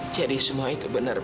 jadi semua itu benar